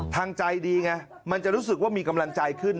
ทางใจดีไงมันจะรู้สึกว่ามีกำลังใจขึ้น